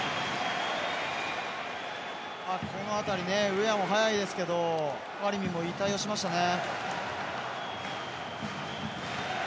この辺りウェアも速いですけどタレミも、いい対応しましたね。